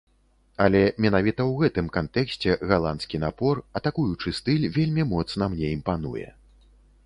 Але менавіта ў гэтым кантэксце галандскі напор, атакуючы стыль вельмі моцна мне імпануе.